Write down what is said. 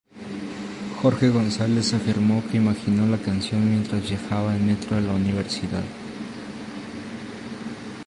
Jorge González afirmó que imaginó la canción mientras viajaba en metro a la universidad.